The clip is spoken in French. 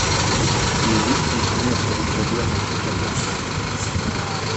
Le loup continue à se reproduire dans toute la France.